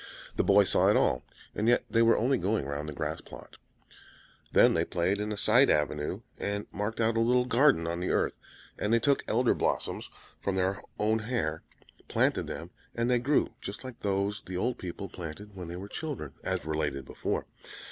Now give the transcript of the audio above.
The boy saw it all, and yet they were only going round the grass plot. Then they played in a side avenue, and marked out a little garden on the earth; and they took Elder blossoms from their hair, planted them, and they grew just like those the old people planted when they were children, as related before.